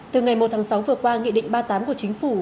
từ ngày một tháng sáu vừa qua nghị định ba mươi tám của chính phủ